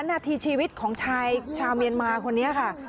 นาทีชีวิตของชายชาวเมียนมาคนนี้ค่ะ